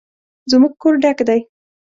زموږ کور ډک دی